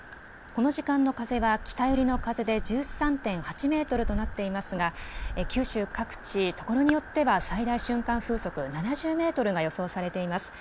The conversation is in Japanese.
この時間の風は北寄りの風で１３．８メートルとなっていますが、九州各地、所によっては、最大瞬間風速７０メートルが予想されています。